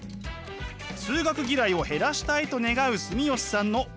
数学嫌いを減らしたいと願う住吉さんのお悩みとは？